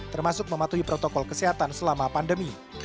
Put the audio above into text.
termasuk mematuhi protokol kesehatan selama pandemi